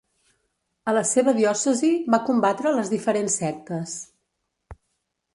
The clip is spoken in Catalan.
A la seva diòcesi va combatre les diferents sectes.